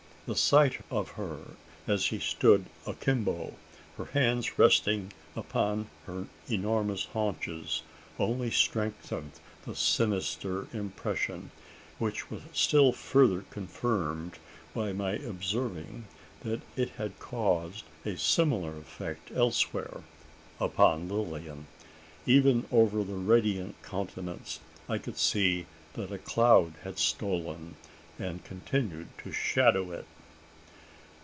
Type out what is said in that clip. The sight of her, as she stood "akimbo," her hands resting upon her enormous haunches, only strengthened the sinister impression, which was still further confirmed by my observing that it had caused a similar effect elsewhere upon Lilian! Even over that radiant countenance I could see that a cloud had stolen, and continued to shadow it!